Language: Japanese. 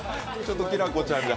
きらこちゃんじゃ